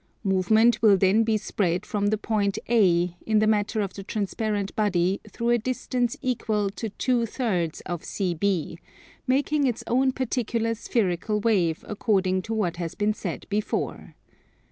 Movement will then be spread from the point A, in the matter of the transparent body through a distance equal to two thirds of CB, making its own particular spherical wave according to what has been said before.